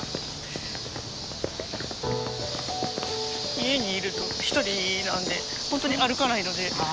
家にいると一人なんでほんとに歩かないので。